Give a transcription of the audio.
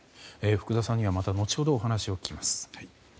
福田さんにはまた後ほど、お話を聞きます。